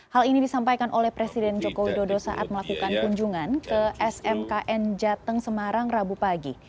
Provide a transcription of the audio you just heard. hal ini disampaikan oleh presiden joko widodo saat melakukan kunjungan ke smkn jateng semarang rabu pagi